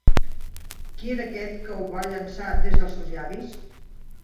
Qui era aquest que ho va llançar des dels seus llavis?